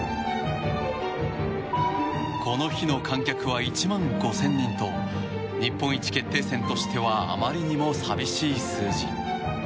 この日の観客は１万５０００人と日本一決定戦としてはあまりにも寂しい数字。